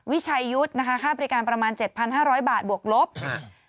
วิชัยยุทธ์นะคะค่าบริการประมาณ๗๕๐๐บาทบวกลบครับ